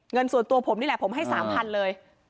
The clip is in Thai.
เงินส่วนตัวผมนี่แหละผมให้๓๐๐๐เลย